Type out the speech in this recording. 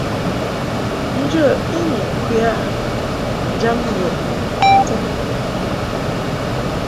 Njə i ni ŋkwe a njam wəʼni nsɛn.